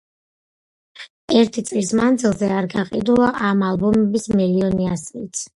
ერთი წლის მანძილზე არ გაყიდულა ამ ალბომის მილიონი ასლიც.